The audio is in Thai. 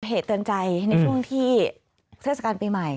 เหตุเตือนใจในช่วงที่เทศกาลปีใหม่